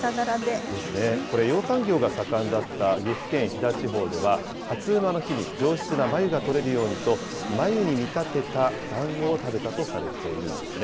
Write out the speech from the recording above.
これ、養蚕業が盛んだった岐阜県飛騨地方では、初午の日に上質な繭がとれるようにと、繭に見立てただんごを食べたとされているんですね。